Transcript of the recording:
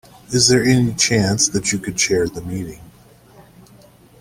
Is there any chance that you could chair the meeting?